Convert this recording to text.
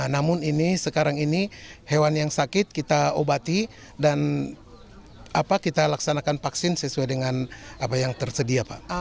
namun ini sekarang ini hewan yang sakit kita obati dan kita laksanakan vaksin sesuai dengan apa yang tersedia pak